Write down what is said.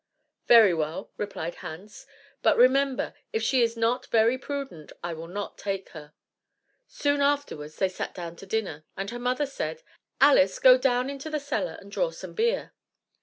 "Very well," replied Hans; "but remember, if she is not very prudent, I will not take her." Soon afterwards they sat down to dinner, and her mother said, "Alice, go down into the cellar and draw some beer."